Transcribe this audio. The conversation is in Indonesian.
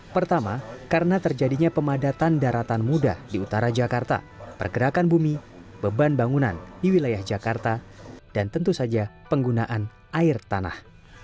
pertama karena terjadinya pemadatan daratan muda di utara jakarta pergerakan bumi beban bangunan di wilayah jakarta dan tentu saja penggunaan air tanah